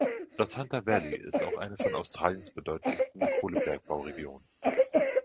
Das Hunter Valley ist auch eine von Australiens bedeutendsten Kohlebergbauregionen.